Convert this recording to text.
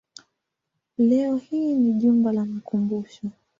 Leo hii ni jumba la makumbusho.